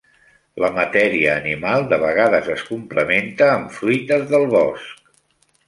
La matèria animal de vegades es complementa amb fruites del bosc.